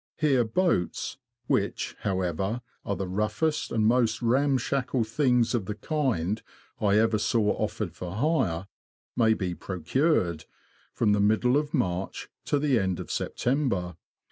Here boats (which, however, are the roughest and most ramshackle things of the kind I ever saw offered for hire) may be procured, from the middle of March to the end of September.